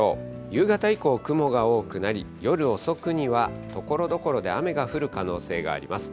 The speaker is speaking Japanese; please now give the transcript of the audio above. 夕方以降、雲が多くなり、夜遅くにはところどころで雨が降る可能性があります。